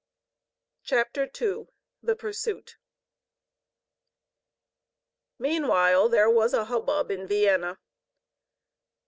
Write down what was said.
CHAPTER II THE PURSUIT Meanwhile, there was a hubbub in Vienna.